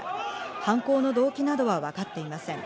犯行の動機などは分かっていません。